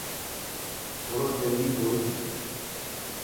ٿورو جلدي ٻول.